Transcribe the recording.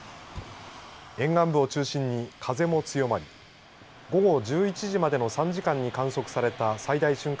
沿岸部を中心に風も強まり午後１１時までの３時間に観測された最大瞬間